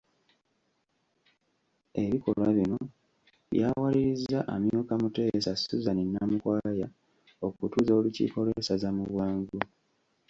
Ebikolwa bino, byawalirizza amyuka Muteesa, Suzan Namukwaya, okutuuza olukiiko lw'essaza mu bwangu